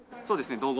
そうですね。